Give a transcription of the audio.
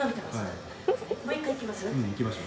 「もう一回いきます？」